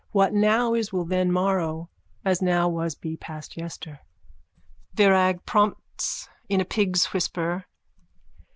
What now is will then morrow as now was be past yester. VIRAG: _(Prompts in a pig's whisper.)